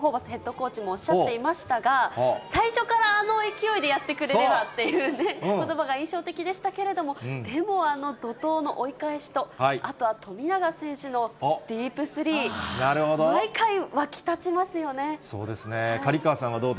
河出さん、やはりトム・ホーバスヘッドコーチもおっしゃっていましたが、最初からあの勢いでやってくれればっていうね、ことばが印象的でしたけれども、でも、あの怒とうの追い返しと、あとは富永選手のディープスリー、そうですね。